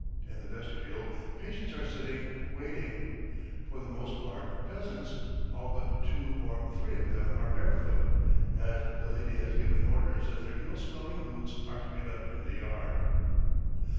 In the vestibule patients are sitting waiting, for the most part peasants. All but two or three of them are barefoot, as the lady has given orders that their ill smelling boots are to be left in the yard.